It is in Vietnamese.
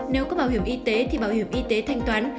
nếu có bảo hiểm y tế thì bảo hiểm y tế thanh toán